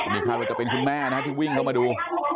นี่คาดว่าจะเป็นคุณแม่นะฮะที่วิ่งเข้ามาดู